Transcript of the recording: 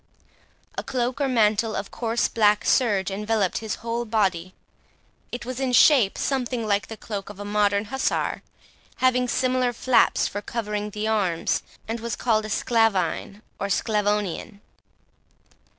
A cloak or mantle of coarse black serge, enveloped his whole body. It was in shape something like the cloak of a modern hussar, having similar flaps for covering the arms, and was called a "Sclaveyn", or "Sclavonian".